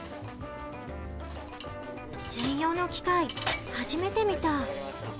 専用の機械、初めて見た。